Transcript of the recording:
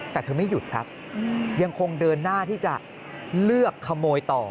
แต่เธอไม่หยุดครับยังคงเดินหน้าที่จะเลือกขโมยต่อ